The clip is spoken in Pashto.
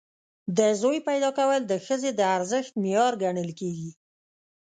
د زوی پیدا کول د ښځې د ارزښت معیار ګڼل کېږي.